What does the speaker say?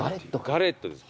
ガレットです。